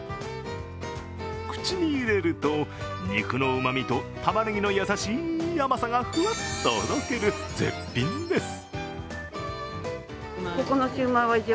口に入れると、肉のうまみとタマネギの優しい甘さがふわっとほどける絶品です。